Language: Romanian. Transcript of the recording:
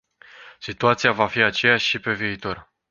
Situația va fi aceeași și pe viitor.